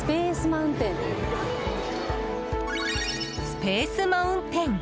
スペース・マウンテン！